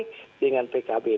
hubungan dengan partai nasdembasi